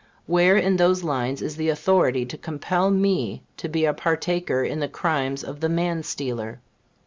Where in those lines is the authority to compel me to be a partaker in the crimes of the man stealer?